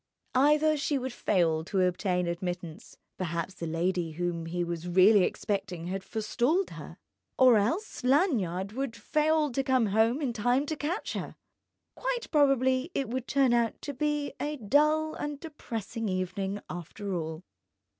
Either she would fail to obtain admittance (perhaps the lady whom he was really expecting had forestalled her) or else Lanyard would fail to come home in time to catch her! Quite probably it would turn out to be a dull and depressing evening, after all....